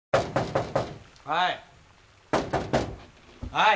はい！